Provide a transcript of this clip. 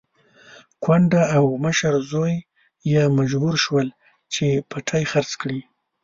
کونډه او مشر زوی يې مجبور شول چې پټی خرڅ کړي.